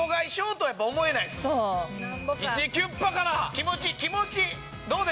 気持ち気持ち！